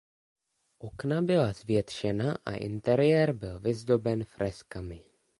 Okna byla zvětšena a interiér byl vyzdoben freskami.